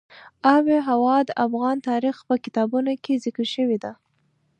آب وهوا د افغان تاریخ په کتابونو کې ذکر شوې ده.